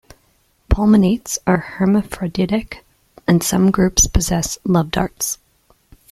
Pulmonates are hermaphroditic, and some groups possess love darts.